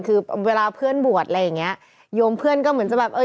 คือเวลาเพื่อนบวชอะไรอย่างเงี้ยโยมเพื่อนก็เหมือนจะแบบเออ